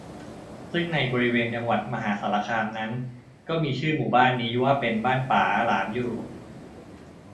ซึ่งในบริเวณจังหวัดมหาสารคามนั้น ก็มีชื่อหมู่บ้านนี้ว่าเป็นบ้านป๋าหลานอยู่